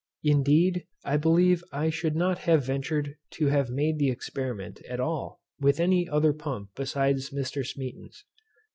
Indeed, I believe I should not have ventured to have made the experiment at all with any other pump besides Mr. Smeaton's.